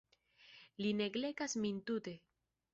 Li neglektas min tute.